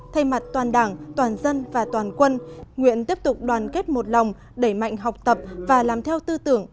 thay mặt toàn đảng toàn dân và toàn quân nguyện tiếp tục đoàn kết một lòng đẩy mạnh học tập và làm theo tư tưởng